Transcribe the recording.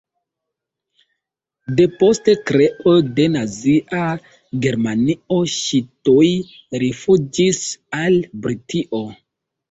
Depost kreo de nazia Germanio ŝi tuj rifuĝis al Britio.